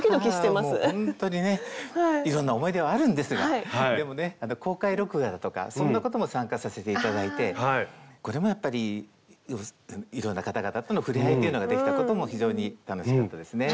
いやもうほんとにねいろんな思い出はあるんですがでもね公開録画だとかそんなことも参加させて頂いてこれもやっぱりいろんな方々とのふれあいっていうのができたことも非常に楽しかったですね。